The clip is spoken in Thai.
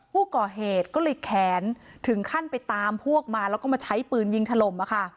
ผู้ก่อเหตุก็เลยแขนถึงขั้นไปตามพวกมาแล้วก็มาใช้ปืนยิงถล่ม